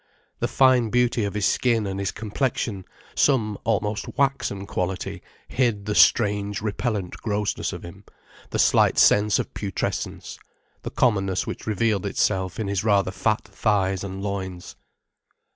The fine beauty of his skin and his complexion, some almost waxen quality, hid the strange, repellent grossness of him, the slight sense of putrescence, the commonness which revealed itself in his rather fat thighs and loins.